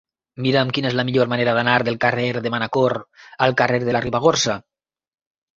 Mira'm quina és la millor manera d'anar del carrer de Manacor al carrer de la Ribagorça.